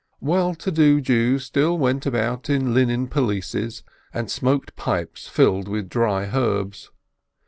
Well to do Jews still went about in linen pelisses, and smoked pipes filled with dry herbs.